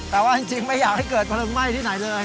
แต่ว่าจริงไม่อยากให้เกิดเพลิงไหม้ที่ไหนเลย